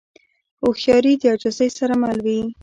هوښیاري د عاجزۍ سره مل وي.